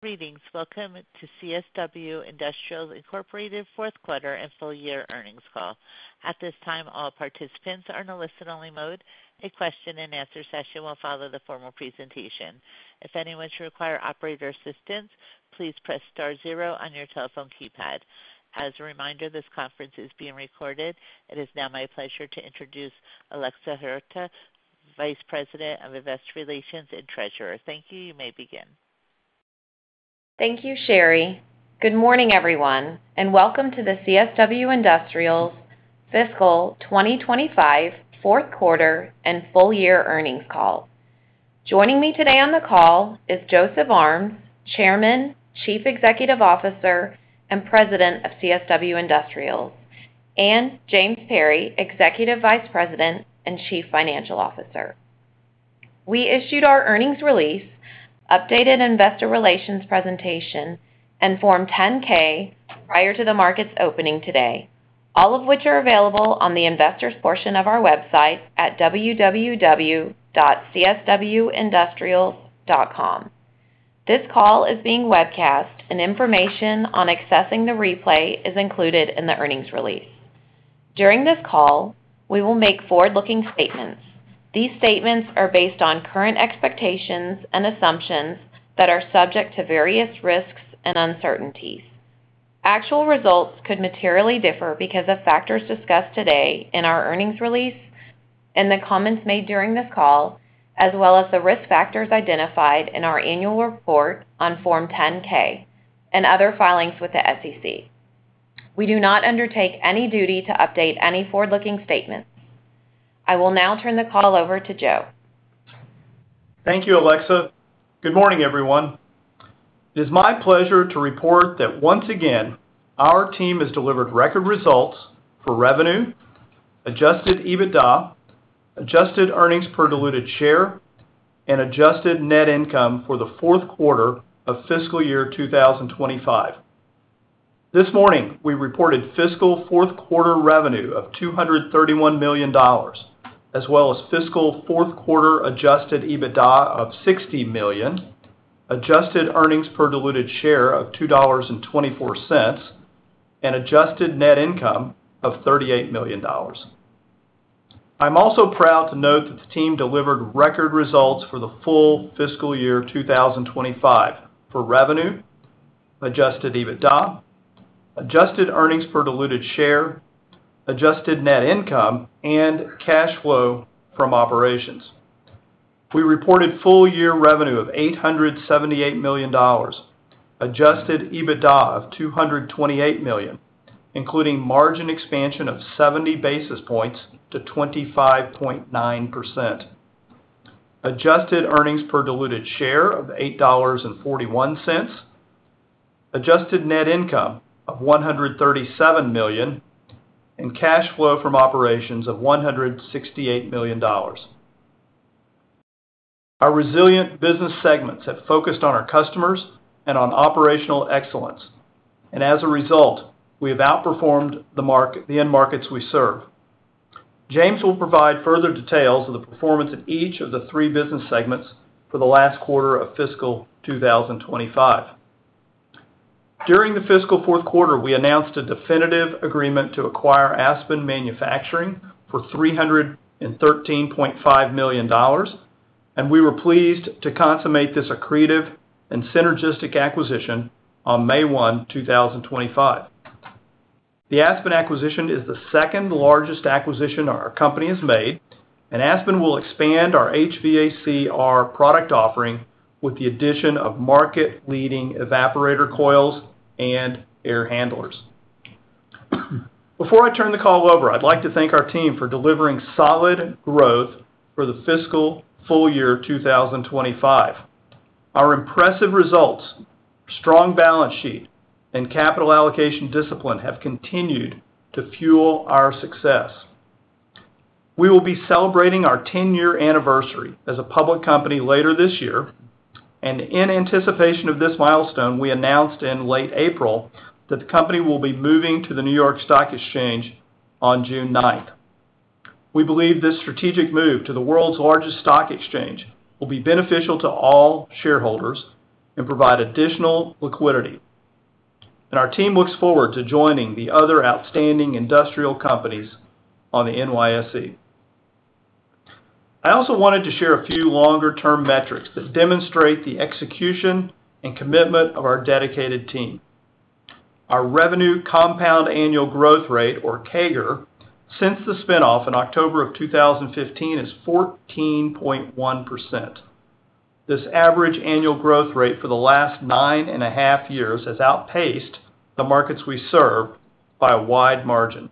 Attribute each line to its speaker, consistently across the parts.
Speaker 1: Greetings. Welcome to CSW Industrials fourth-quarter and full-year earnings call. At this time, all participants are in a listen-only mode. A question-and-answer session will follow the formal presentation. If anyone should require operator assistance, please press star zero on your telephone keypad. As a reminder, this conference is being recorded. It is now my pleasure to introduce Alexa Huerta, Vice President of Investor Relations and Treasurer. Thank you. You may begin.
Speaker 2: Thank you, Sherry. Good morning, everyone, and welcome to the CSW Industrials Fiscal 2025 fourth-quarter and full-year earnings call. Joining me today on the call is Joseph Armes, Chairman, Chief Executive Officer, and President of CSW Industrials, and James Perry, Executive Vice President and Chief Financial Officer. We issued our earnings release, updated investor relations presentation, and Form 10-K prior to the market's opening today, all of which are available on the investors' portion of our website at www.cswindustrials.com. This call is being webcast, and information on accessing the replay is included in the earnings release. During this call, we will make forward-looking statements. These statements are based on current expectations and assumptions that are subject to various risks and uncertainties. Actual results could materially differ because of factors discussed today in our earnings release, in the comments made during this call, as well as the risk factors identified in our annual report on Form 10-K and other filings with the SEC. We do not undertake any duty to update any forward-looking statements. I will now turn the call over to Joe.
Speaker 3: Thank you, Alexa. Good morning, everyone. It is my pleasure to report that once again, our team has delivered record results for revenue, adjusted EBITDA, adjusted earnings per diluted share, and adjusted net income for the fourth quarter of fiscal year 2025. This morning, we reported fiscal fourth-quarter revenue of $231 million, as well as fiscal fourth-quarter adjusted EBITDA of $60 million, adjusted earnings per diluted share of $2.24, and adjusted net income of $38 million. I'm also proud to note that the team delivered record results for the full fiscal year 2025 for revenue, adjusted EBITDA, adjusted earnings per diluted share, adjusted net income, and cash flow from operations. We reported full-year revenue of $878 million, adjusted EBITDA of $228 million, including margin expansion of 70 basis points to 25.9%, adjusted earnings per diluted share of $8.41, adjusted net income of $137 million, and cash flow from operations of $168 million. Our resilient business segments have focused on our customers and on operational excellence, and as a result, we have outperformed the end markets we serve. James will provide further details of the performance of each of the three business segments for the last quarter of fiscal 2025. During the fiscal fourth quarter, we announced a definitive agreement to acquire Aspen Manufacturing for $313.5 million, and we were pleased to consummate this accretive and synergistic acquisition on May 1, 2025. The Aspen acquisition is the second largest acquisition our company has made, and Aspen will expand our HVACR product offering with the addition of market-leading evaporator coils and air handlers. Before I turn the call over, I'd like to thank our team for delivering solid growth for the fiscal full year 2025. Our impressive results, strong balance sheet, and capital allocation discipline have continued to fuel our success. We will be celebrating our 10-year anniversary as a public company later this year, and in anticipation of this milestone, we announced in late April that the company will be moving to the New York Stock Exchange on June 9. We believe this strategic move to the world's largest stock exchange will be beneficial to all shareholders and provide additional liquidity. Our team looks forward to joining the other outstanding industrial companies on the NYSE. I also wanted to share a few longer-term metrics that demonstrate the execution and commitment of our dedicated team. Our revenue compound annual growth rate, or CAGR, since the spinoff in October of 2015 is 14.1%. This average annual growth rate for the last nine and a half years has outpaced the markets we serve by a wide margin.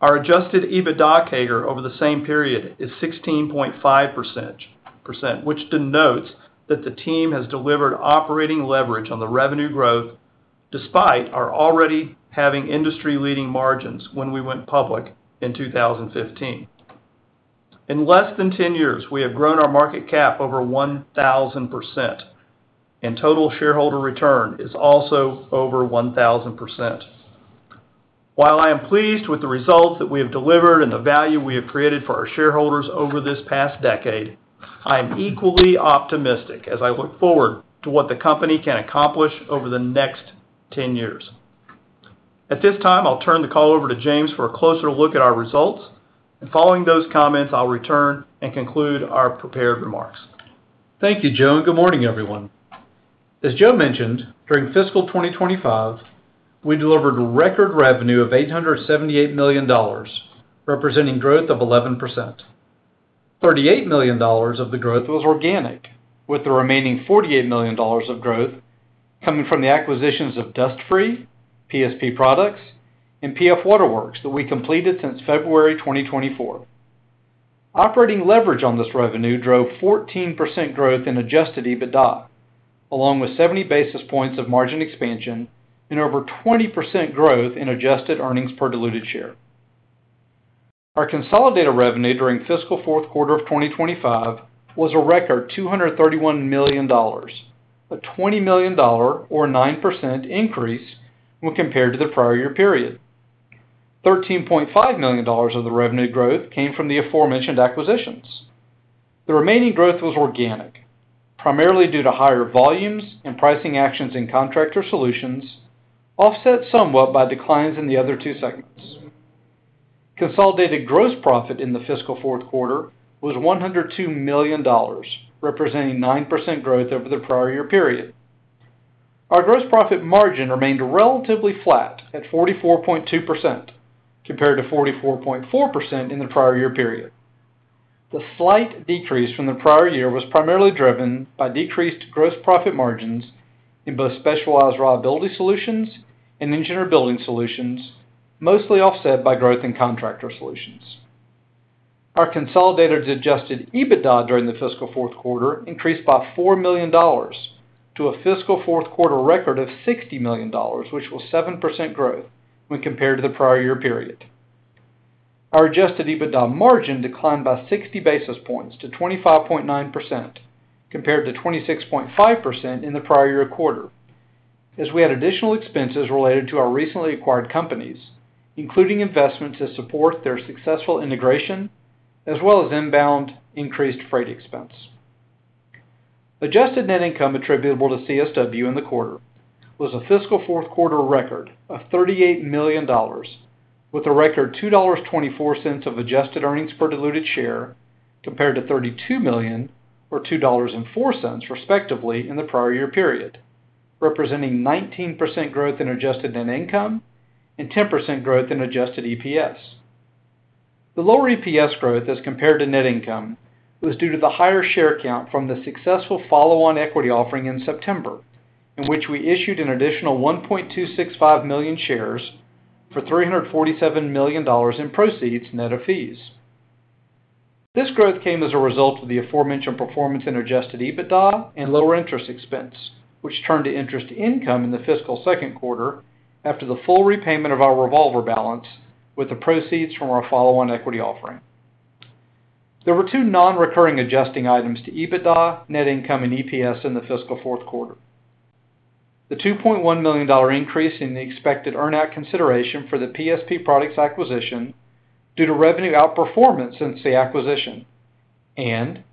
Speaker 3: Our adjusted EBITDA CAGR over the same period is 16.5%, which denotes that the team has delivered operating leverage on the revenue growth despite our already having industry-leading margins when we went public in 2015. In less than 10 years, we have grown our market cap over 1,000%, and total shareholder return is also over 1,000%. While I am pleased with the results that we have delivered and the value we have created for our shareholders over this past decade, I am equally optimistic as I look forward to what the company can accomplish over the next 10 years. At this time, I'll turn the call over to James for a closer look at our results, and following those comments, I'll return and conclude our prepared remarks.
Speaker 4: Thank you, Joe, and good morning, everyone. As Joe mentioned, during fiscal 2025, we delivered record revenue of $878 million, representing growth of 11%. $38 million of the growth was organic, with the remaining $48 million of growth coming from the acquisitions of Dust-Free, PSP Products, and PF Waterworks that we completed since February 2024. Operating leverage on this revenue drove 14% growth in adjusted EBITDA, along with 70 basis points of margin expansion and over 20% growth in adjusted earnings per diluted share. Our consolidated revenue during fiscal fourth quarter of 2025 was a record $231 million, a $20 million, or 9% increase when compared to the prior year period. $13.5 million of the revenue growth came from the aforementioned acquisitions. The remaining growth was organic, primarily due to higher volumes and pricing actions in contractor solutions, offset somewhat by declines in the other two segments. Consolidated gross profit in the fiscal fourth quarter was $102 million, representing 9% growth over the prior year period. Our gross profit margin remained relatively flat at 44.2% compared to 44.4% in the prior year period. The slight decrease from the prior year was primarily driven by decreased gross profit margins in both specialized reliability solutions and engineering building solutions, mostly offset by growth in contractor solutions. Our consolidated adjusted EBITDA during the fiscal fourth quarter increased by $4 million to a fiscal fourth quarter record of $60 million, which was 7% growth when compared to the prior year period. Our adjusted EBITDA margin declined by 60 basis points to 25.9% compared to 26.5% in the prior year quarter, as we had additional expenses related to our recently acquired companies, including investments to support their successful integration, as well as inbound increased freight expense. Adjusted net income attributable to CSW in the quarter was a fiscal fourth quarter record of $38 million, with a record $2.24 of adjusted earnings per diluted share compared to $32 million or $2.04, respectively, in the prior year period, representing 19% growth in adjusted net income and 10% growth in adjusted EPS. The lower EPS growth as compared to net income was due to the higher share count from the successful follow-on equity offering in September, in which we issued an additional 1.265 million shares for $347 million in proceeds net of fees. This growth came as a result of the aforementioned performance in adjusted EBITDA and lower interest expense, which turned to interest income in the fiscal second quarter after the full repayment of our revolver balance with the proceeds from our follow-on equity offering. There were two non-recurring adjusting items to EBITDA, net income, and EPS in the fiscal fourth quarter: the $2.1 million increase in the expected earn-out consideration for the PSP Products acquisition due to revenue outperformance since the acquisition, and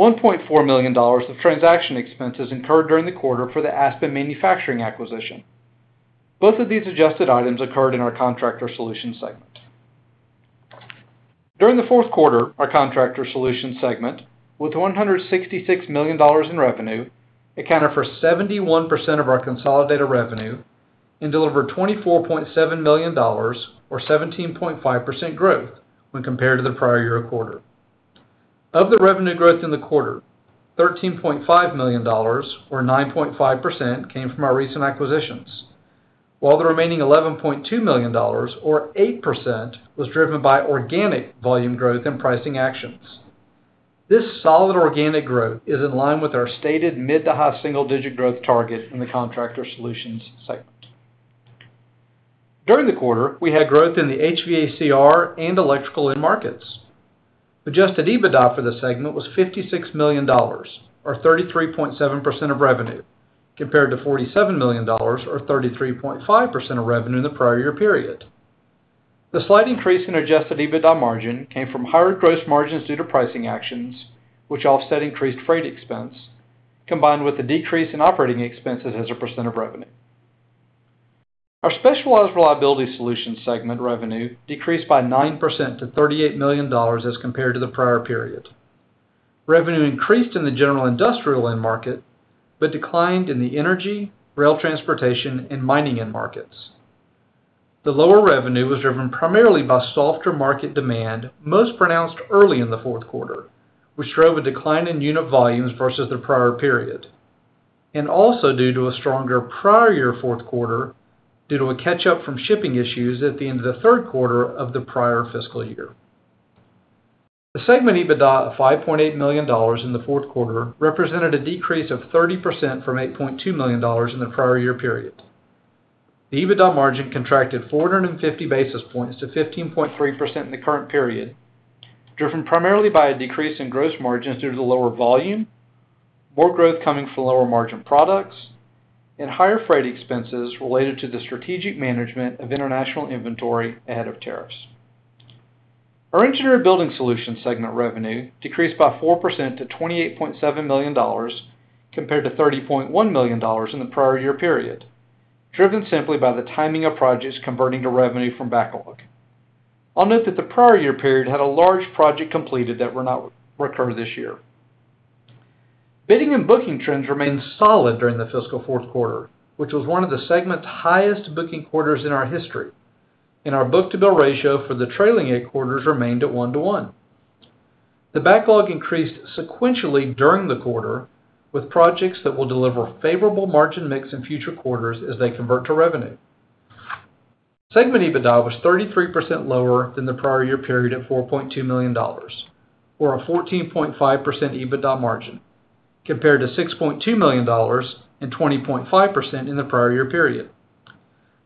Speaker 4: $1.4 million of transaction expenses incurred during the quarter for the Aspen Manufacturing acquisition. Both of these adjusted items occurred in our contractor solution segment. During the fourth quarter, our contractor solution segment, with $166 million in revenue, accounted for 71% of our consolidated revenue and delivered $24.7 million, or 17.5% growth, when compared to the prior year quarter. Of the revenue growth in the quarter, $13.5 million, or 9.5%, came from our recent acquisitions, while the remaining $11.2 million, or 8%, was driven by organic volume growth and pricing actions. This solid organic growth is in line with our stated mid to high single-digit growth target in the contractor solutions segment. During the quarter, we had growth in the HVACR and electrical end markets. Adjusted EBITDA for the segment was $56 million, or 33.7% of revenue, compared to $47 million, or 33.5% of revenue in the prior year period. The slight increase in adjusted EBITDA margin came from higher gross margins due to pricing actions, which offset increased freight expense, combined with the decrease in operating expenses as a percent of revenue. Our specialized reliability solution segment revenue decreased by 9% to $38 million as compared to the prior period. Revenue increased in the general industrial end market but declined in the energy, rail transportation, and mining end markets. The lower revenue was driven primarily by softer market demand, most pronounced early in the fourth quarter, which drove a decline in unit volumes versus the prior period, and also due to a stronger prior year fourth quarter due to a catch-up from shipping issues at the end of the third quarter of the prior fiscal year. The segment EBITDA of $5.8 million in the fourth quarter represented a decrease of 30% from $8.2 million in the prior year period. The EBITDA margin contracted 450 basis points to 15.3% in the current period, driven primarily by a decrease in gross margins due to lower volume, more growth coming from lower margin products, and higher freight expenses related to the strategic management of international inventory ahead of tariffs. Our engineering building solution segment revenue decreased by 4% to $28.7 million compared to $30.1 million in the prior year period, driven simply by the timing of projects converting to revenue from backlog. I'll note that the prior year period had a large project completed that will not recur this year. Bidding and booking trends remained solid during the fiscal fourth quarter, which was one of the segment's highest booking quarters in our history, and our book-to-bill ratio for the trailing eight quarters remained at 1 to 1. The backlog increased sequentially during the quarter, with projects that will deliver favorable margin mix in future quarters as they convert to revenue. Segment EBITDA was 33% lower than the prior year period at $4.2 million, or a 14.5% EBITDA margin, compared to $6.2 million and 20.5% in the prior year period.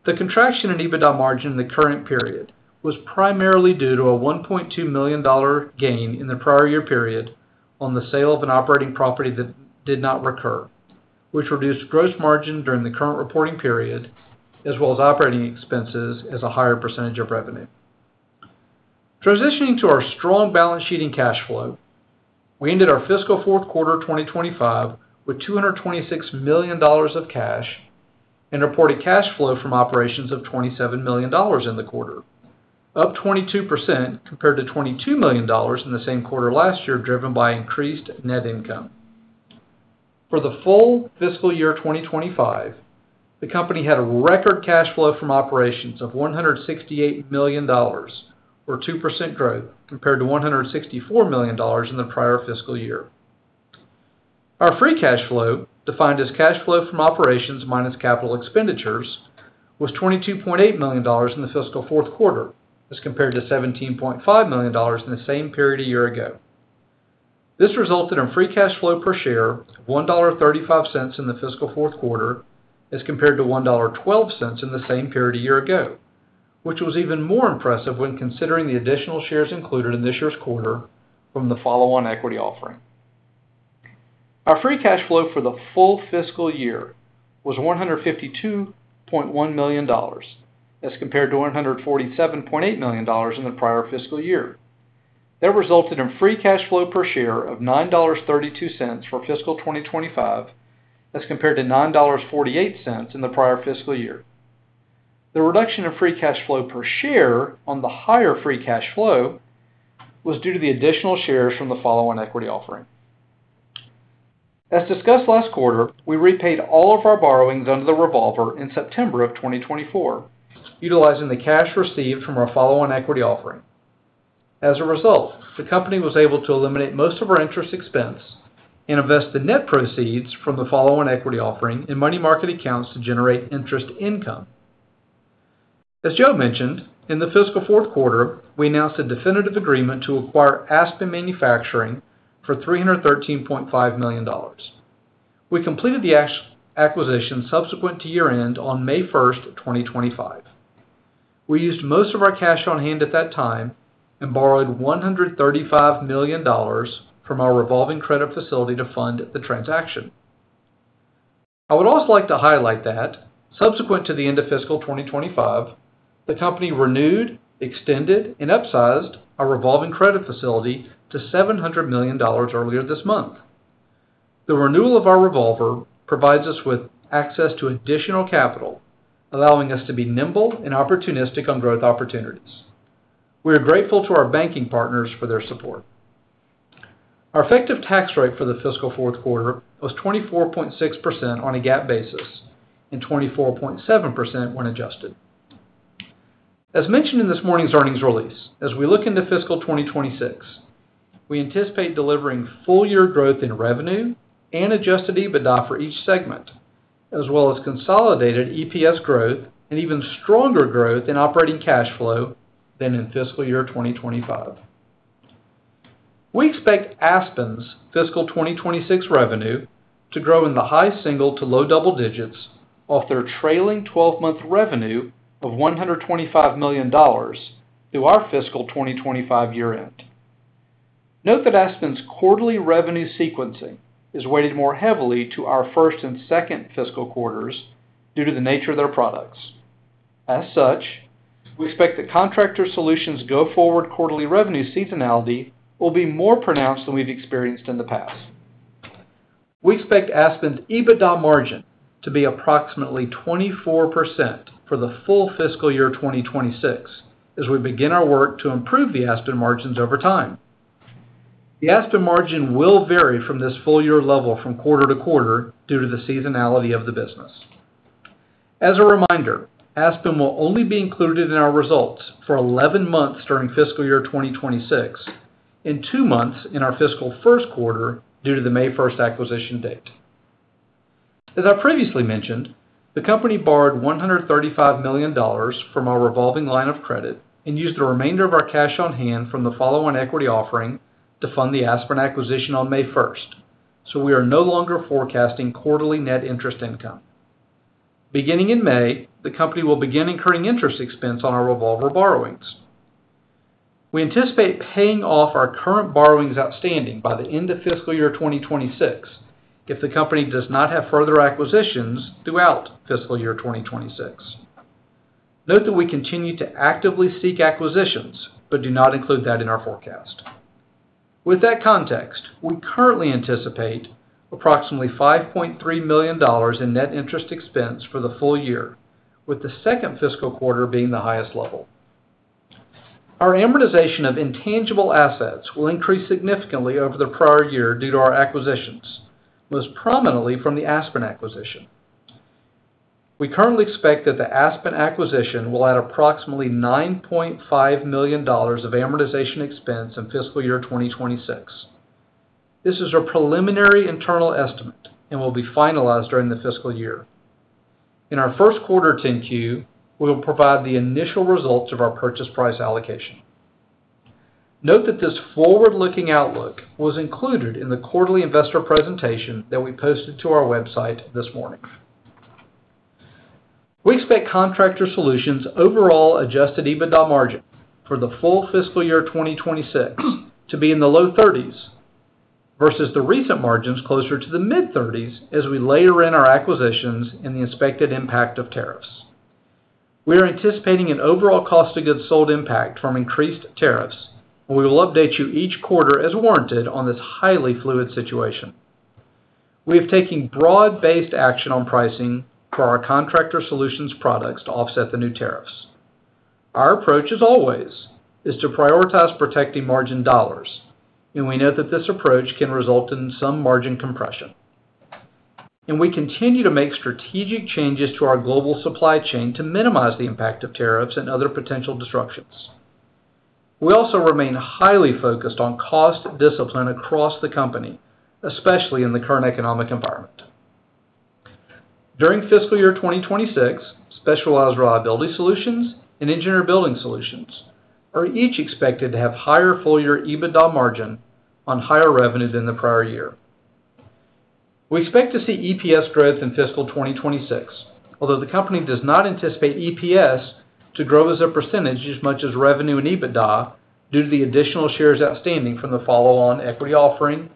Speaker 4: The contraction in EBITDA margin in the current period was primarily due to a $1.2 million gain in the prior year period on the sale of an operating property that did not recur, which reduced gross margin during the current reporting period, as well as operating expenses as a higher percentage of revenue. Transitioning to our strong balance sheet and cash flow, we ended our fiscal fourth quarter 2025 with $226 million of cash and reported cash flow from operations of $27 million in the quarter, up 22% compared to $22 million in the same quarter last year, driven by increased net income. For the full fiscal year 2025, the company had a record cash flow from operations of $168 million, or 2% growth, compared to $164 million in the prior fiscal year. Our free cash flow, defined as cash flow from operations minus capital expenditures, was $22.8 million in the fiscal fourth quarter, as compared to $17.5 million in the same period a year ago. This resulted in free cash flow per share of $1.35 in the fiscal fourth quarter, as compared to $1.12 in the same period a year ago, which was even more impressive when considering the additional shares included in this year's quarter from the follow-on equity offering. Our free cash flow for the full fiscal year was $152.1 million, as compared to $147.8 million in the prior fiscal year. That resulted in free cash flow per share of $9.32 for fiscal 2025, as compared to $9.48 in the prior fiscal year. The reduction in free cash flow per share on the higher free cash flow was due to the additional shares from the follow-on equity offering. As discussed last quarter, we repaid all of our borrowings under the revolver in September of 2024, utilizing the cash received from our follow-on equity offering. As a result, the company was able to eliminate most of our interest expense and invest the net proceeds from the follow-on equity offering in money market accounts to generate interest income. As Joe mentioned, in the fiscal fourth quarter, we announced a definitive agreement to acquire Aspen Manufacturing for $313.5 million. We completed the acquisition subsequent to year-end on May 1st, 2025. We used most of our cash on hand at that time and borrowed $135 million from our revolving credit facility to fund the transaction. I would also like to highlight that, subsequent to the end of fiscal 2025, the company renewed, extended, and upsized our revolving credit facility to $700 million earlier this month. The renewal of our revolver provides us with access to additional capital, allowing us to be nimble and opportunistic on growth opportunities. We are grateful to our banking partners for their support. Our effective tax rate for the fiscal fourth quarter was 24.6% on a GAAP basis and 24.7% when adjusted. As mentioned in this morning's earnings release, as we look into fiscal 2026, we anticipate delivering full-year growth in revenue and adjusted EBITDA for each segment, as well as consolidated EPS growth and even stronger growth in operating cash flow than in fiscal year 2025. We expect Aspen's fiscal 2026 revenue to grow in the high single to low double digits off their trailing 12-month revenue of $125 million through our fiscal 2025 year-end. Note that Aspen's quarterly revenue sequencing is weighted more heavily to our first and second fiscal quarters due to the nature of their products. As such, we expect that contractor solutions' go forward quarterly revenue seasonality will be more pronounced than we've experienced in the past. We expect Aspen's EBITDA margin to be approximately 24% for the full fiscal year 2026 as we begin our work to improve the Aspen margins over time. The Aspen margin will vary from this full-year level from quarter to quarter due to the seasonality of the business. As a reminder, Aspen will only be included in our results for 11 months during fiscal year 2026 and two months in our fiscal first quarter due to the May 1st acquisition date. As I previously mentioned, the company borrowed $135 million from our revolving line of credit and used the remainder of our cash on hand from the follow-on equity offering to fund the Aspen acquisition on May 1st, so we are no longer forecasting quarterly net interest income. Beginning in May, the company will begin incurring interest expense on our revolver borrowings. We anticipate paying off our current borrowings outstanding by the end of fiscal year 2026 if the company does not have further acquisitions throughout fiscal year 2026. Note that we continue to actively seek acquisitions but do not include that in our forecast. With that context, we currently anticipate approximately $5.3 million in net interest expense for the full year, with the second fiscal quarter being the highest level. Our amortization of intangible assets will increase significantly over the prior year due to our acquisitions, most prominently from the Aspen acquisition. We currently expect that the Aspen acquisition will add approximately $9.5 million of amortization expense in fiscal year 2026. This is a preliminary internal estimate and will be finalized during the fiscal year. In our first quarter 10Q, we will provide the initial results of our purchase price allocation. Note that this forward-looking outlook was included in the quarterly investor presentation that we posted to our website this morning. We expect contractor solutions' overall adjusted EBITDA margin for the full fiscal year 2026 to be in the low 30% versus the recent margins closer to the mid 30% as we layer in our acquisitions and the expected impact of tariffs. We are anticipating an overall cost of goods sold impact from increased tariffs, and we will update you each quarter as warranted on this highly fluid situation. We are taking broad-based action on pricing for our contractor solutions' products to offset the new tariffs. Our approach, as always, is to prioritize protecting margin dollars, and we know that this approach can result in some margin compression. We continue to make strategic changes to our global supply chain to minimize the impact of tariffs and other potential disruptions. We also remain highly focused on cost discipline across the company, especially in the current economic environment. During fiscal year 2026, specialized reliability solutions and engineering building solutions are each expected to have higher full-year EBITDA margin on higher revenue than the prior year. We expect to see EPS growth in fiscal 2026, although the company does not anticipate EPS to grow as a percentage as much as revenue and EBITDA due to the additional shares outstanding from the follow-on equity offering,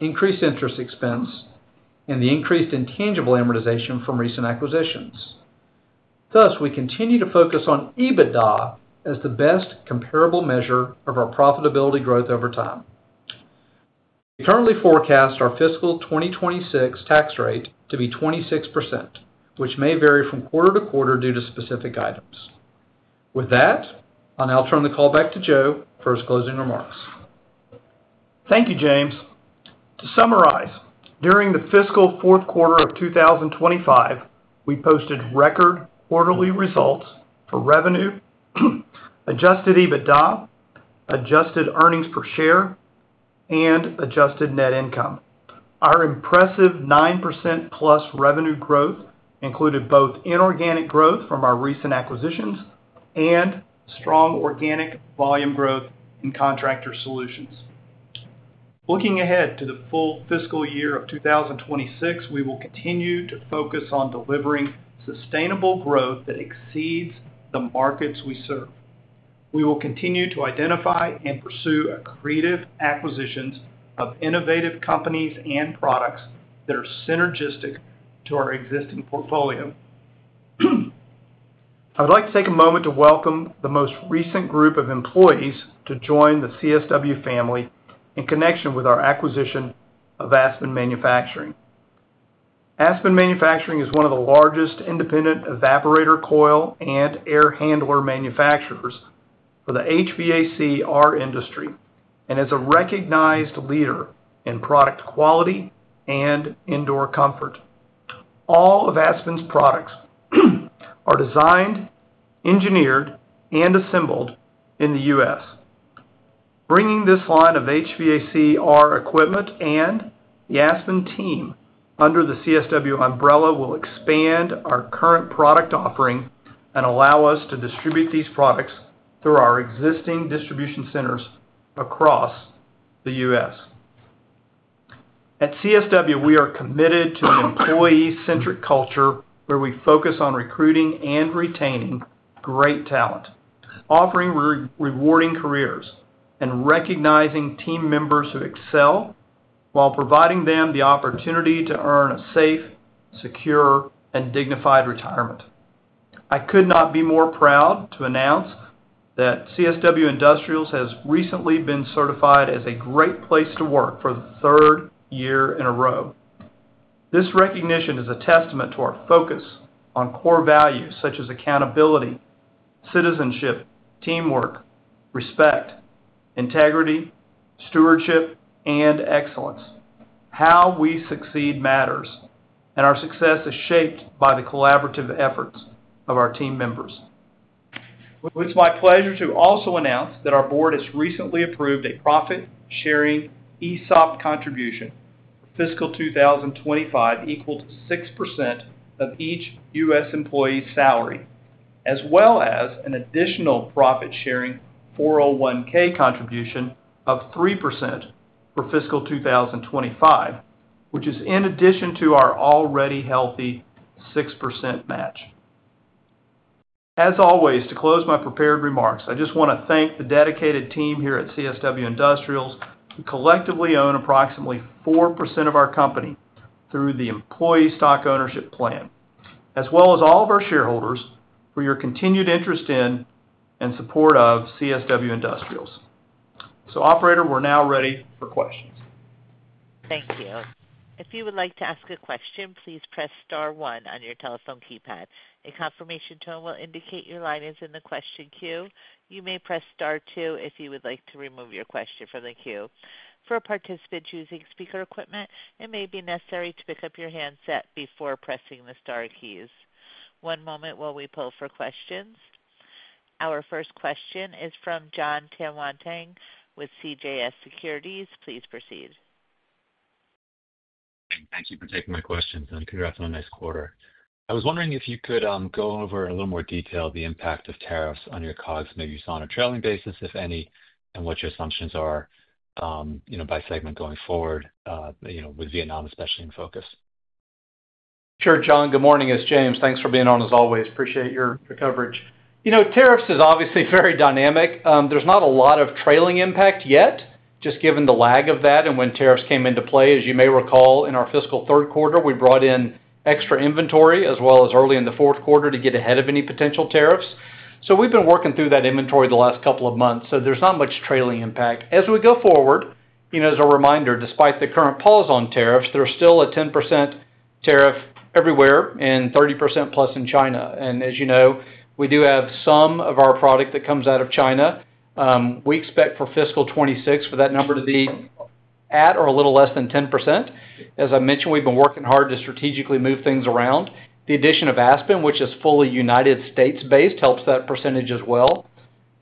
Speaker 4: increased interest expense, and the increased intangible amortization from recent acquisitions. Thus, we continue to focus on EBITDA as the best comparable measure of our profitability growth over time. We currently forecast our fiscal 2026 tax rate to be 26%, which may vary from quarter to quarter due to specific items. With that, I'll now turn the call back to Joe for his closing remarks.
Speaker 3: Thank you, James. To summarize, during the fiscal fourth quarter of 2025, we posted record quarterly results for revenue, adjusted EBITDA, adjusted earnings per share, and adjusted net income. Our impressive 9% plus revenue growth included both inorganic growth from our recent acquisitions and strong organic volume growth in contractor solutions. Looking ahead to the full fiscal year of 2026, we will continue to focus on delivering sustainable growth that exceeds the markets we serve. We will continue to identify and pursue accretive acquisitions of innovative companies and products that are synergistic to our existing portfolio. I would like to take a moment to welcome the most recent group of employees to join the CSW family in connection with our acquisition of Aspen Manufacturing. Aspen Manufacturing is one of the largest independent evaporator coil and air handler manufacturers for the HVACR industry and is a recognized leader in product quality and indoor comfort. All of Aspen's products are designed, engineered, and assembled in the US. Bringing this line of HVACR equipment and the Aspen team under the CSW umbrella will expand our current product offering and allow us to distribute these products through our existing distribution centers across the US. At CSW, we are committed to an employee-centric culture where we focus on recruiting and retaining great talent, offering rewarding careers, and recognizing team members who excel while providing them the opportunity to earn a safe, secure, and dignified retirement. I could not be more proud to announce that CSW Industrials has recently been certified as a great place to work for the third year in a row. This recognition is a testament to our focus on core values such as accountability, citizenship, teamwork, respect, integrity, stewardship, and excellence. How we succeed matters, and our success is shaped by the collaborative efforts of our team members. It's my pleasure to also announce that our board has recently approved a profit-sharing ESOP contribution for fiscal 2025 equal to 6% of each U.S. employee's salary, as well as an additional profit-sharing 401(k) contribution of 3% for fiscal 2025, which is in addition to our already healthy 6% match. As always, to close my prepared remarks, I just want to thank the dedicated team here at CSW Industrials, who collectively own approximately 4% of our company through the employee stock ownership plan, as well as all of our shareholders for your continued interest in and support of CSW Industrials. Operator, we're now ready for questions.
Speaker 1: Thank you. If you would like to ask a question, please press Star 1 on your telephone keypad. A confirmation tone will indicate your line is in the question queue. You may press Star 2 if you would like to remove your question from the queue. For participants using speaker equipment, it may be necessary to pick up your handset before pressing the Star keys. One moment while we pull for questions. Our first question is from Jon Tanwanteng with CJS Securities. Please proceed.
Speaker 5: Thank you for taking my questions, and congrats on a nice quarter. I was wondering if you could go over in a little more detail the impact of tariffs on your cause that you saw on a trailing basis, if any, and what your assumptions are by segment going forward with Vietnam especially in focus.
Speaker 4: Sure, Jon. Good morning, it's James. Thanks for being on as always. Appreciate your coverage. Tariffs are obviously very dynamic. There's not a lot of trailing impact yet, just given the lag of that and when tariffs came into play. As you may recall, in our fiscal third quarter, we brought in extra inventory as well as early in the fourth quarter to get ahead of any potential tariffs. We have been working through that inventory the last couple of months, so there's not much trailing impact. As we go forward, as a reminder, despite the current pause on tariffs, there's still a 10% tariff everywhere and 30% plus in China. As you know, we do have some of our product that comes out of China. We expect for fiscal 2026 for that number to be at or a little less than 10%. As I mentioned, we've been working hard to strategically move things around. The addition of Aspen, which is fully United States-based, helps that percentage as well.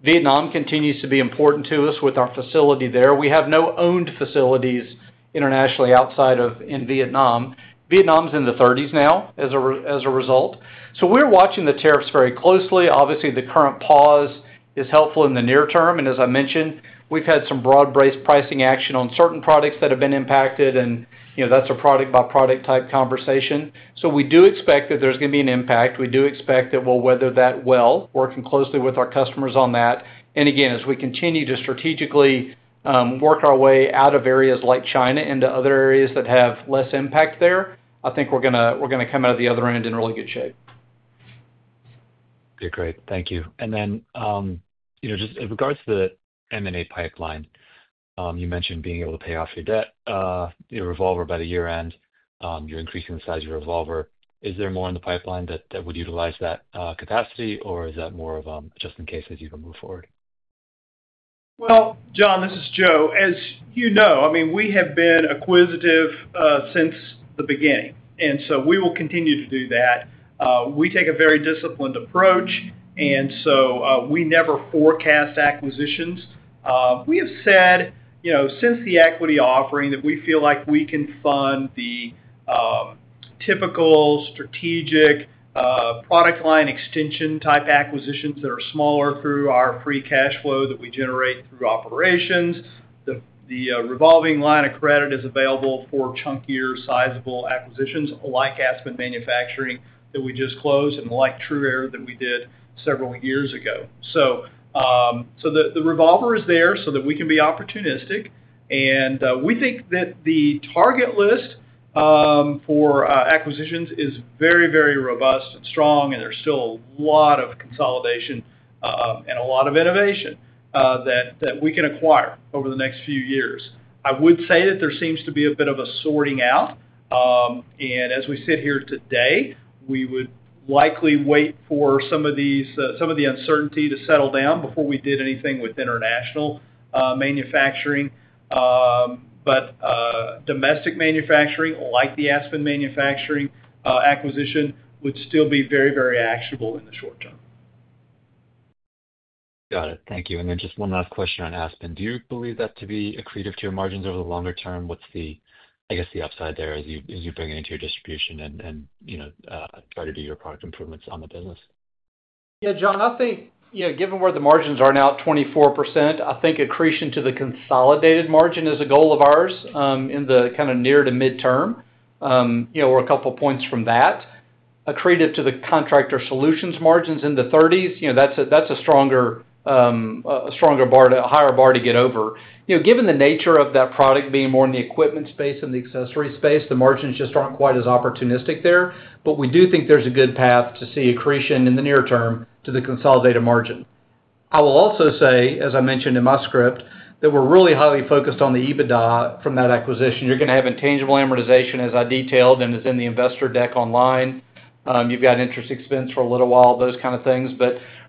Speaker 4: Vietnam continues to be important to us with our facility there. We have no owned facilities internationally outside of Vietnam. Vietnam's in the 30s now as a result. We are watching the tariffs very closely. Obviously, the current pause is helpful in the near term. As I mentioned, we've had some broad-based pricing action on certain products that have been impacted, and that's a product-by-product type conversation. We do expect that there's going to be an impact. We do expect that we'll weather that well working closely with our customers on that. Again, as we continue to strategically work our way out of areas like China into other areas that have less impact there, I think we're going to come out of the other end in really good shape.
Speaker 5: Okay, great. Thank you. Just in regards to the M&A pipeline, you mentioned being able to pay off your debt, your revolver by the year-end, you're increasing the size of your revolver. Is there more in the pipeline that would utilize that capacity, or is that more of just in case as you move forward?
Speaker 3: Jon, this is Joe. As you know, I mean, we have been acquisitive since the beginning, and we will continue to do that. We take a very disciplined approach, and we never forecast acquisitions. We have said since the equity offering that we feel like we can fund the typical strategic product line extension type acquisitions that are smaller through our free cash flow that we generate through operations. The revolving line of credit is available for chunkier, sizable acquisitions like Aspen Manufacturing that we just closed and like TruAir that we did several years ago. The revolver is there so that we can be opportunistic. We think that the target list for acquisitions is very, very robust and strong, and there is still a lot of consolidation and a lot of innovation that we can acquire over the next few years. I would say that there seems to be a bit of a sorting out. As we sit here today, we would likely wait for some of the uncertainty to settle down before we did anything with international manufacturing. Domestic manufacturing, like the Aspen Manufacturing acquisition, would still be very, very actionable in the short term.
Speaker 5: Got it. Thank you. One last question on Aspen. Do you believe that to be accretive to your margins over the longer term? What's the, I guess, the upside there as you bring it into your distribution and try to do your product improvements on the business?
Speaker 4: Yeah, Jon, I think given where the margins are now at 24%, I think accretion to the consolidated margin is a goal of ours in the kind of near to midterm. We're a couple of points from that. Accretive to the contractor solutions margins in the 30s, that's a stronger bar, a higher bar to get over. Given the nature of that product being more in the equipment space and the accessory space, the margins just aren't quite as opportunistic there. We do think there's a good path to see accretion in the near term to the consolidated margin. I will also say, as I mentioned in my script, that we're really highly focused on the EBITDA from that acquisition. You're going to have intangible amortization, as I detailed, and is in the investor deck online. You've got interest expense for a little while, those kind of things.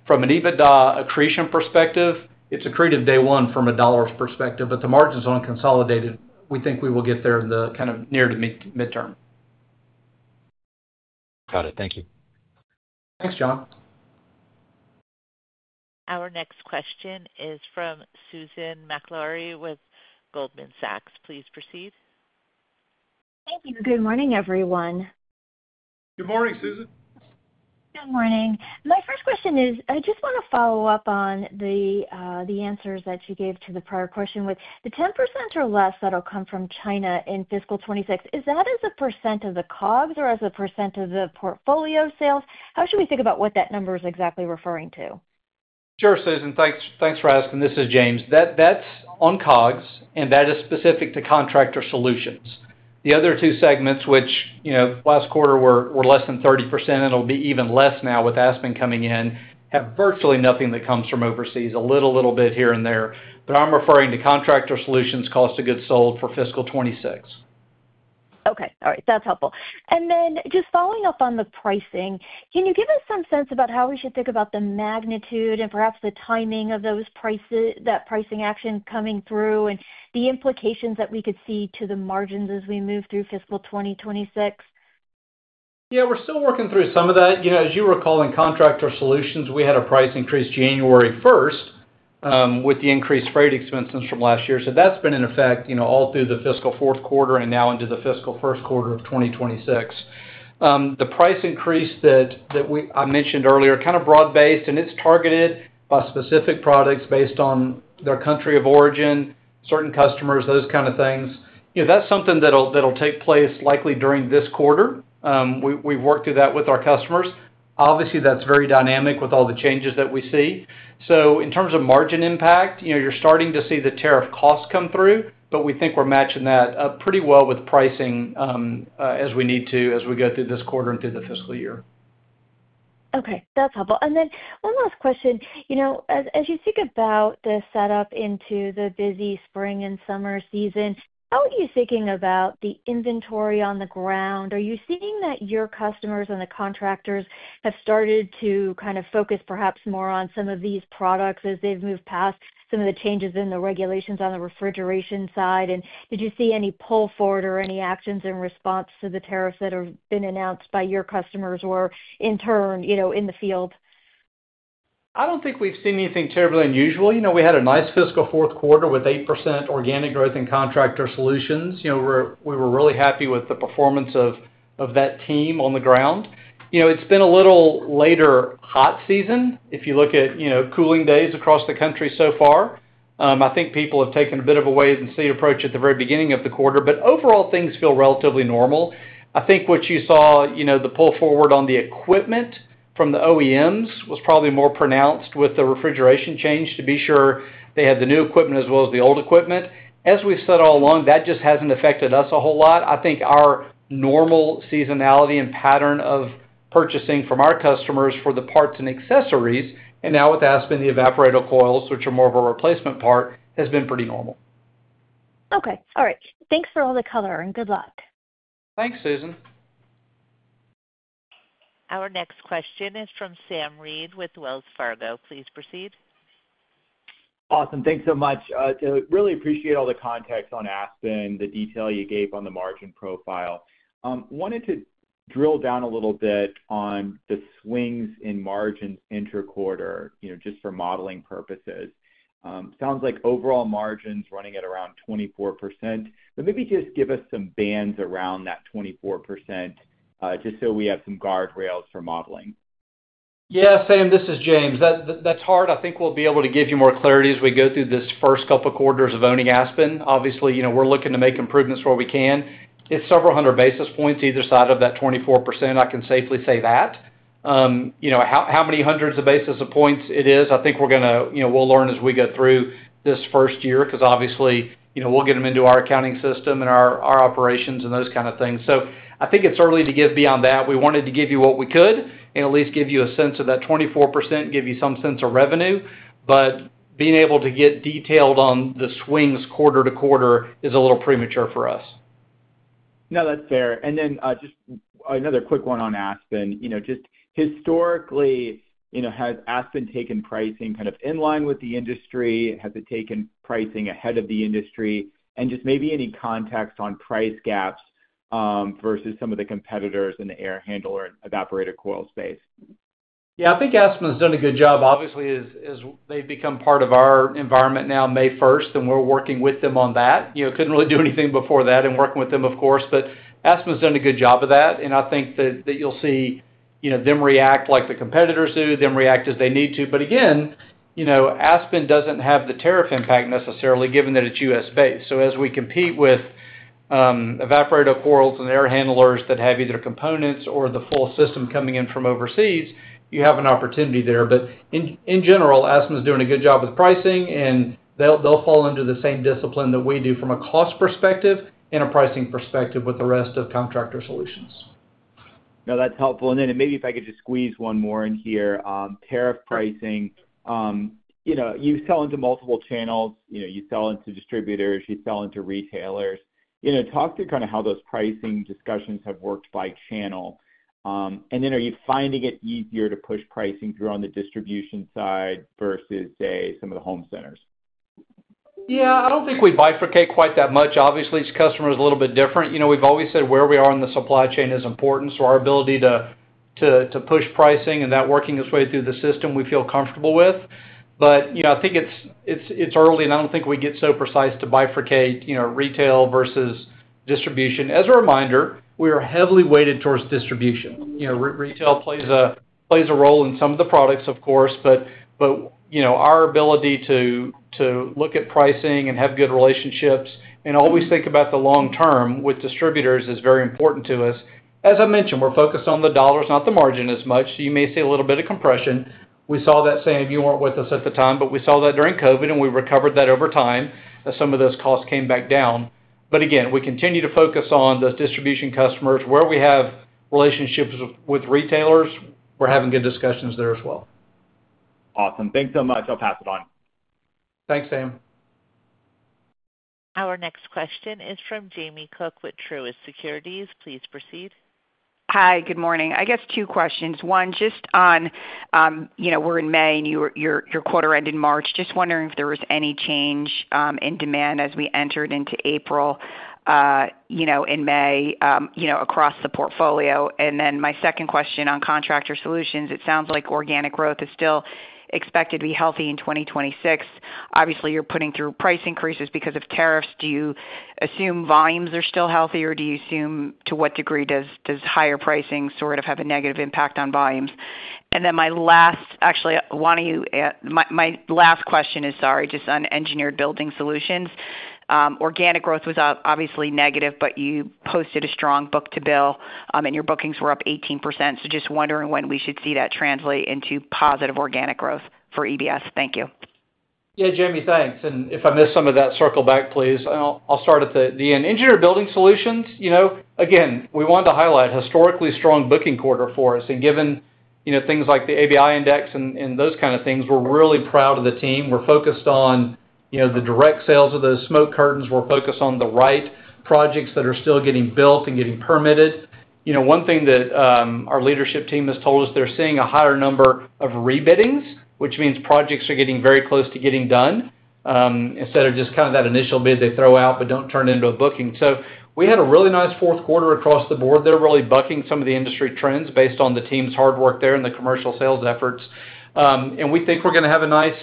Speaker 4: From an EBITDA accretion perspective, it's accretive day one from a dollar's perspective. The margins on consolidated, we think we will get there in the kind of near to midterm.
Speaker 5: Got it. Thank you.
Speaker 4: Thanks, Jon.
Speaker 1: Our next question is from Susan Maklari with Goldman Sachs. Please proceed.
Speaker 6: Thank you. Good morning, everyone.
Speaker 3: Good morning, Susan.
Speaker 6: Good morning. My first question is, I just want to follow up on the answers that you gave to the prior question with the 10% or less that'll come from China in fiscal 2026. Is that as a percent of the COGS or as a percent of the portfolio sales? How should we think about what that number is exactly referring to?
Speaker 4: Sure, Susan. Thanks for asking. This is James. That's on COGS, and that is specific to contractor solutions. The other two segments, which last quarter were less than 30%, and it'll be even less now with Aspen coming in, have virtually nothing that comes from overseas, a little bit here and there. But I'm referring to contractor solutions cost of goods sold for fiscal 2026.
Speaker 6: Okay. All right. That's helpful. Then just following up on the pricing, can you give us some sense about how we should think about the magnitude and perhaps the timing of that pricing action coming through and the implications that we could see to the margins as we move through fiscal 2026?
Speaker 3: Yeah, we're still working through some of that. As you recall, in contractor solutions, we had a price increase January 1 with the increased freight expenses from last year. That's been in effect all through the fiscal fourth quarter and now into the fiscal first quarter of 2026. The price increase that I mentioned earlier is kind of broad-based, and it's targeted by specific products based on their country of origin, certain customers, those kind of things. That's something that'll take place likely during this quarter. We've worked through that with our customers. Obviously, that's very dynamic with all the changes that we see. In terms of margin impact, you're starting to see the tariff cost come through, but we think we're matching that up pretty well with pricing as we need to as we go through this quarter and through the fiscal year.
Speaker 6: Okay. That's helpful. One last question. As you think about the setup into the busy spring and summer season, how are you thinking about the inventory on the ground? Are you seeing that your customers and the contractors have started to kind of focus perhaps more on some of these products as they've moved past some of the changes in the regulations on the refrigeration side? Did you see any pull forward or any actions in response to the tariffs that have been announced by your customers or in turn in the field?
Speaker 4: I don't think we've seen anything terribly unusual. We had a nice fiscal fourth quarter with 8% organic growth in contractor solutions. We were really happy with the performance of that team on the ground. It's been a little later hot season if you look at cooling days across the country so far. I think people have taken a bit of a wait-and-see approach at the very beginning of the quarter. Overall, things feel relatively normal. I think what you saw, the pull forward on the equipment from the OEMs was probably more pronounced with the refrigeration change to be sure they had the new equipment as well as the old equipment. As we've said all along, that just hasn't affected us a whole lot. I think our normal seasonality and pattern of purchasing from our customers for the parts and accessories, and now with Aspen, the evaporator coils, which are more of a replacement part, has been pretty normal.
Speaker 6: Okay. All right. Thanks for all the color and good luck.
Speaker 3: Thanks, Susan.
Speaker 1: Our next question is from Sam Reed with Wells Fargo. Please proceed.
Speaker 7: Awesome. Thanks so much. Really appreciate all the context on Aspen, the detail you gave on the margin profile. Wanted to drill down a little bit on the swings in margins interquarter just for modeling purposes. Sounds like overall margins running at around 24%. But maybe just give us some bands around that 24% just so we have some guardrails for modeling.
Speaker 4: Yeah, Sam, this is James. That's hard. I think we'll be able to give you more clarity as we go through this first couple of quarters of owning Aspen. Obviously, we're looking to make improvements where we can. It's several hundred basis points either side of that 24%. I can safely say that. How many hundreds of basis points it is, I think we're going to learn as we go through this first year because obviously, we'll get them into our accounting system and our operations and those kind of things. I think it's early to give beyond that. We wanted to give you what we could and at least give you a sense of that 24% and give you some sense of revenue. Being able to get detailed on the swings quarter to quarter is a little premature for us.
Speaker 7: No, that's fair. And then just another quick one on Aspen. Just historically, has Aspen taken pricing kind of in line with the industry? Has it taken pricing ahead of the industry? And just maybe any context on price gaps versus some of the competitors in the air handler and evaporator coil space?
Speaker 4: Yeah, I think Aspen has done a good job. Obviously, they've become part of our environment now, May 1, and we're working with them on that. Couldn't really do anything before that and working with them, of course. Aspen has done a good job of that. I think that you'll see them react like the competitors do, them react as they need to. Aspen doesn't have the tariff impact necessarily given that it's US-based. As we compete with evaporator coils and air handlers that have either components or the full system coming in from overseas, you have an opportunity there. In general, Aspen is doing a good job with pricing, and they'll fall under the same discipline that we do from a cost perspective and a pricing perspective with the rest of contractor solutions.
Speaker 7: No, that's helpful. Maybe if I could just squeeze one more in here, tariff pricing. You sell into multiple channels. You sell into distributors. You sell into retailers. Talk through kind of how those pricing discussions have worked by channel. Are you finding it easier to push pricing through on the distribution side versus, say, some of the home centers?
Speaker 4: I don't think we bifurcate quite that much. Obviously, each customer is a little bit different. We've always said where we are in the supply chain is important. Our ability to push pricing and that working its way through the system, we feel comfortable with. I think it's early, and I don't think we get so precise to bifurcate retail versus distribution. As a reminder, we are heavily weighted towards distribution. Retail plays a role in some of the products, of course. Our ability to look at pricing and have good relationships and always think about the long term with distributors is very important to us. As I mentioned, we're focused on the dollars, not the margin as much. You may see a little bit of compression. We saw that, Sam, you weren't with us at the time, but we saw that during COVID, and we recovered that over time as some of those costs came back down. Again, we continue to focus on those distribution customers. Where we have relationships with retailers, we're having good discussions there as well.
Speaker 7: Awesome. Thanks so much. I'll pass it on.
Speaker 4: Thanks, Sam.
Speaker 1: Our next question is from Jamie Cook with Truist Securities. Please proceed.
Speaker 8: Hi, good morning. I guess two questions. One, just on we're in May, and your quarter ended March. Just wondering if there was any change in demand as we entered into April and May across the portfolio. And then my second question on contractor solutions, it sounds like organic growth is still expected to be healthy in 2026. Obviously, you're putting through price increases because of tariffs. Do you assume volumes are still healthy, or do you assume to what degree does higher pricing sort of have a negative impact on volumes? And then my last actually, why don't you my last question is, sorry, just on engineered building solutions. Organic growth was obviously negative, but you posted a strong book-to-bill, and your bookings were up 18%. Just wondering when we should see that translate into positive organic growth for EBS. Thank you.
Speaker 3: Yeah, Jamie, thanks. If I missed some of that, circle back, please. I'll start at the end. Engineered building solutions, again, we wanted to highlight a historically strong booking quarter for us. Given things like the ABI index and those kind of things, we're really proud of the team. We're focused on the direct sales of those smoke curtains. We're focused on the right projects that are still getting built and getting permitted. One thing that our leadership team has told us, they're seeing a higher number of rebidding, which means projects are getting very close to getting done instead of just kind of that initial bid they throw out but do not turn into a booking. We had a really nice fourth quarter across the board. They're really bucking some of the industry trends based on the team's hard work there and the commercial sales efforts. We think we're going to have a nice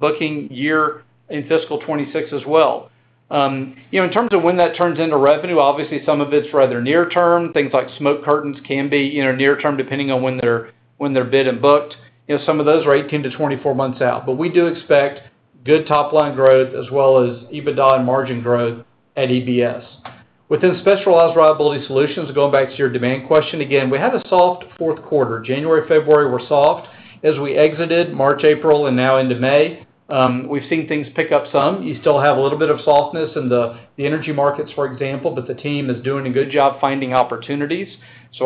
Speaker 3: booking year in fiscal 2026 as well. In terms of when that turns into revenue, obviously, some of it's rather near-term. Things like smoke curtains can be near-term depending on when they're bid and booked. Some of those are 18-24 months out. We do expect good top-line growth as well as EBITDA and margin growth at EBS. Within specialized reliability solutions, going back to your demand question, again, we had a soft fourth quarter. January, February, were soft. As we exited March, April, and now into May, we've seen things pick up some. You still have a little bit of softness in the energy markets, for example, but the team is doing a good job finding opportunities.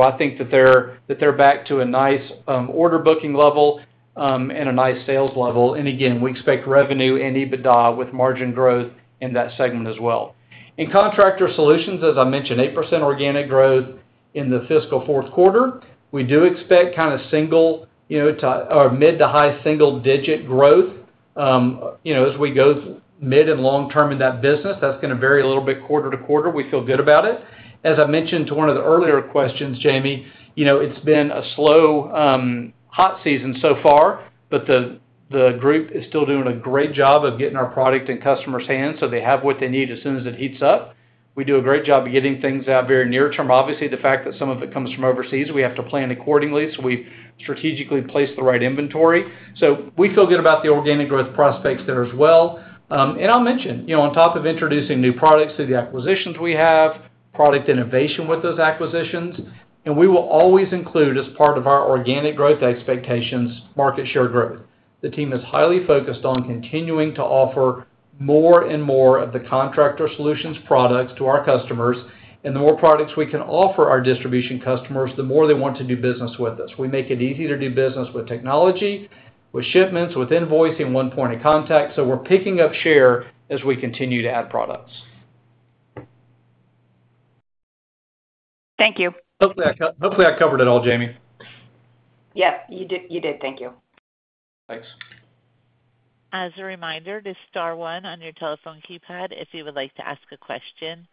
Speaker 3: I think that they're back to a nice order booking level and a nice sales level. Again, we expect revenue and EBITDA with margin growth in that segment as well. In contractor solutions, as I mentioned, 8% organic growth in the fiscal fourth quarter. We do expect kind of single or mid to high single-digit growth as we go mid and long-term in that business. That's going to vary a little bit quarter to quarter. We feel good about it. As I mentioned to one of the earlier questions, Jamie, it's been a slow hot season so far, but the group is still doing a great job of getting our product in customers' hands. They have what they need as soon as it heats up. We do a great job of getting things out very near-term. Obviously, the fact that some of it comes from overseas, we have to plan accordingly. We have strategically placed the right inventory. We feel good about the organic growth prospects there as well. I will mention, on top of introducing new products through the acquisitions we have, product innovation with those acquisitions. We will always include, as part of our organic growth expectations, market share growth. The team is highly focused on continuing to offer more and more of the contractor solutions products to our customers. The more products we can offer our distribution customers, the more they want to do business with us. We make it easy to do business with technology, with shipments, with invoicing, one-pointed contact. We are picking up share as we continue to add products.
Speaker 8: Thank you.
Speaker 3: Hopefully, I covered it all, Jamie.
Speaker 8: Yep, you did. Thank you. Thanks.
Speaker 1: As a reminder, this is Star One on your telephone keypad if you would like to ask a question.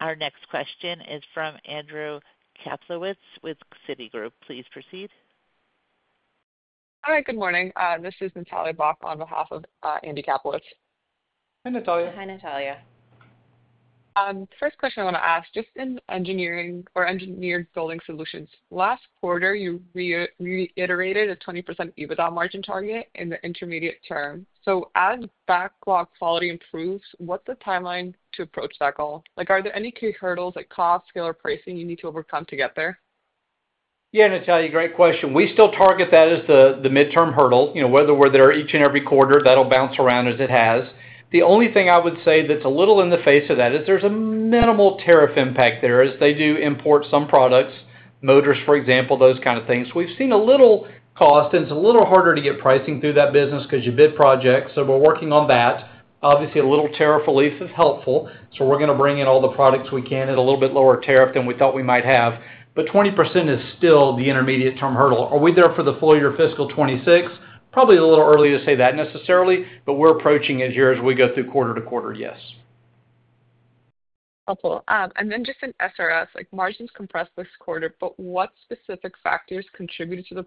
Speaker 1: Our next question is from Andrew Kaplowitz with Citi. Please proceed.
Speaker 9: Hi, good morning. This is Natalia Bak on behalf of Andy Kaplowitz.
Speaker 3: Hi, Natalia.
Speaker 2: Hi, Natalia.
Speaker 9: The first question I want to ask, just in engineering or engineered building solutions, last quarter, you reiterated a 20% EBITDA margin target in the intermediate term. As backlog quality improves, what's the timeline to approach that goal? Are there any key hurdles like cost, scale, or pricing you need to overcome to get there?
Speaker 3: Yeah, Natalia, great question. We still target that as the midterm hurdle. Whether we're there each and every quarter, that'll bounce around as it has. The only thing I would say that's a little in the face of that is there's a minimal tariff impact there as they do import some products, motors, for example, those kind of things. We've seen a little cost, and it's a little harder to get pricing through that business because you bid projects. We're working on that. Obviously, a little tariff relief is helpful. We're going to bring in all the products we can at a little bit lower tariff than we thought we might have. But 20% is still the intermediate-term hurdle. Are we there for the full year fiscal 2026? Probably a little early to say that necessarily, but we're approaching it here as we go through quarter to quarter, yes.
Speaker 9: Helpful. And then just on SRS, margins compressed this quarter, but what specific factors contributed to the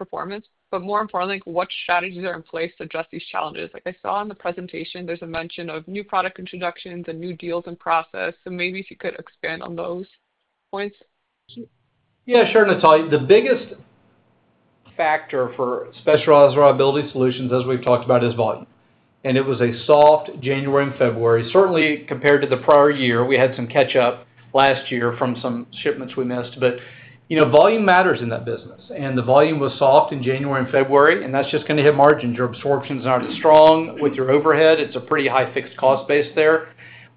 Speaker 9: performance? But more importantly, what strategies are in place to address these challenges? I saw on the presentation, there's a mention of new product introductions and new deals in process. Maybe if you could expand on those points.
Speaker 3: Yeah, sure, Natalia. The biggest factor for specialized reliability solutions, as we've talked about, is volume. It was a soft January and February. Certainly, compared to the prior year, we had some catch-up last year from some shipments we missed. Volume matters in that business. The volume was soft in January and February, and that's just going to hit margins. Your absorption is not as strong with your overhead. It's a pretty high fixed cost base there.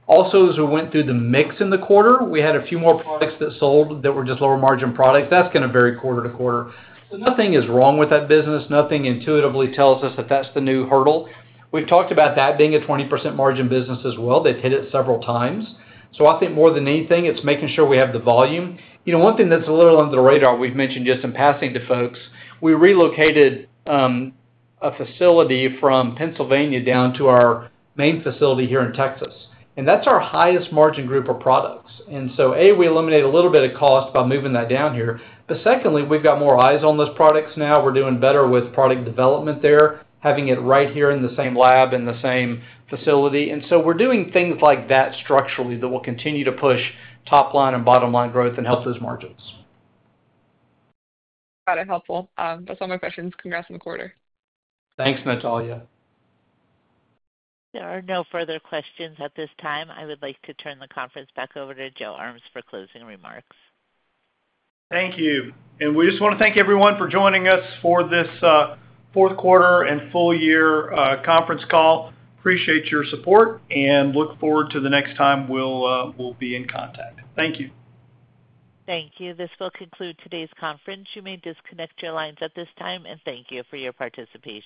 Speaker 3: Also, as we went through the mix in the quarter, we had a few more products that sold that were just lower margin products. That's going to vary quarter to quarter. Nothing is wrong with that business. Nothing intuitively tells us that that's the new hurdle. We've talked about that being a 20% margin business as well. They've hit it several times. I think more than anything, it's making sure we have the volume. One thing that's a little under the radar we've mentioned just in passing to folks, we relocated a facility from Pennsylvania down to our main facility here in Texas. That's our highest margin group of products. A, we eliminated a little bit of cost by moving that down here. Secondly, we've got more eyes on those products now. We're doing better with product development there, having it right here in the same lab, in the same facility. We're doing things like that structurally that will continue to push top-line and bottom-line growth and help those margins.
Speaker 9: Got it. Helpful. That's all my questions. Congrats on the quarter.
Speaker 3: Thanks, Natalia.
Speaker 1: There are no further questions at this time. I would like to turn the conference back over to Joe Armes for closing remarks.
Speaker 3: Thank you. We just want to thank everyone for joining us for this fourth quarter and full year conference call. Appreciate your support and look forward to the next time we'll be in contact. Thank you.
Speaker 1: Thank you. This will conclude today's conference. You may disconnect your lines at this time, and thank you for your participation.